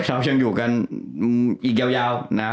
ยังอยู่กันอีกยาวนะ